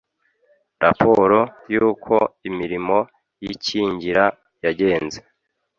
raporo y'uko imirimo y'ikingira yagenze